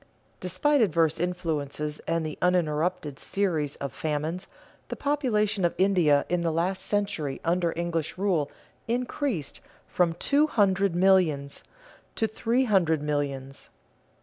Despite adverse influences and the uninterrupted series of famines, the population of India in the last century under English rule increased from two hundred millions to three hundred millions.